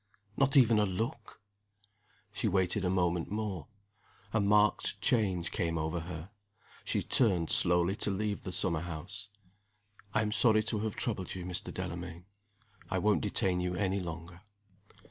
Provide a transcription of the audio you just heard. Not even a look?" She waited a moment more. A marked change came over her. She turned slowly to leave the summer house. "I am sorry to have troubled you, Mr. Delamayn. I won't detain you any longer."